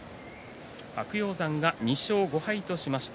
白鷹山が２勝５敗としました。